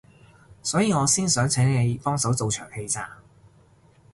所以我先想請你幫手做場戲咋